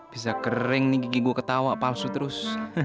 bisa kering nih gigi gue ketawa palsu terus